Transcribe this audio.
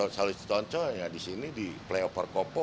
salah satu tonton yang disini di flyover kopo